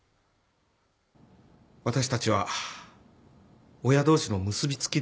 私たちは親同士の結び付きで結婚したんです。